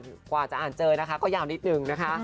กว่าจะอ่านเจอนะคะก็ยาวนิดนึงนะคะ